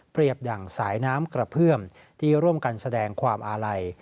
ดั่งสายน้ำกระเพื่อมที่ร่วมกันแสดงความอาลัย